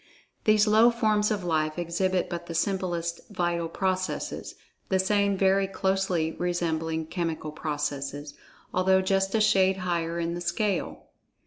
These low forms of life exhibit but the simplest vital processes, the same very closely resembling chemical processes, although just a shade higher in the scale.